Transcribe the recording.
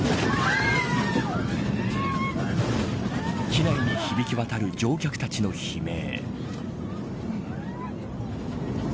機内に響き渡る乗客たちの悲鳴。